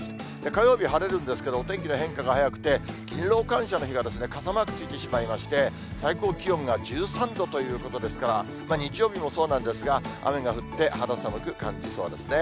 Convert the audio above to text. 火曜日晴れるんですけど、お天気の変化が早くて、勤労感謝の日は傘マークついてしまいまして、最高気温が１３度ということですから、日曜日もそうなんですが、雨が降って、肌寒く感じそうですね。